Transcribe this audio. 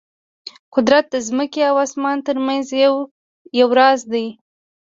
قدرت د ځمکې او اسمان ترمنځ یو راز دی.